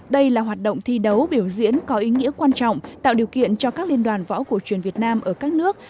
đây là hoạt động thi đấu biểu diễn có ý nghĩa quan trọng tạo điều kiện cho các liên đoàn võ cổ truyền việt nam ở các nước